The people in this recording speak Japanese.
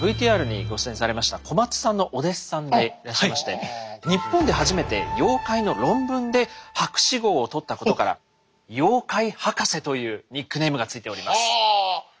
ＶＴＲにご出演されました小松さんのお弟子さんでいらっしゃいまして日本で初めて妖怪の論文で博士号をとったことから「妖怪博士」というニックネームが付いております。